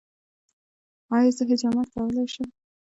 ایا زه حجامت کولی شم؟